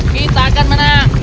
kita akan menang